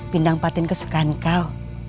pindang patin kesukaan kau